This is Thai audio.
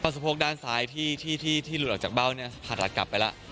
เพราะสะโพกด้านซ้ายที่หลุดออกจากเบ้าคลียร์พอตัดกลับไปล่ะ